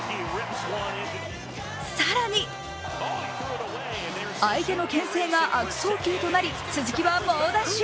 更に、相手のけん制が悪送球となり鈴木は猛ダッシュ。